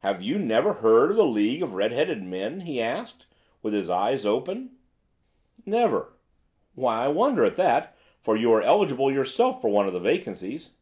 "'Have you never heard of the League of the Red headed Men?' he asked with his eyes open. "'Never.' "'Why, I wonder at that, for you are eligible yourself for one of the vacancies.